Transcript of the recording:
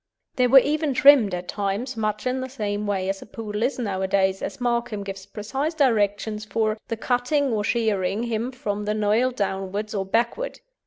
They were even trimmed at times much in the same way as a Poodle is nowadays, as Markham gives precise directions for "the cutting or shearing him from the nauill downeward or backeward."